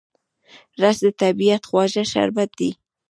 رس د طبیعت خواږه شربت دی